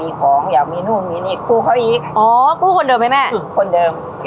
อีกมาเท่าไหร่แม่